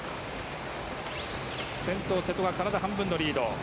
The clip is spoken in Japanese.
先頭、瀬戸は体半分のリード。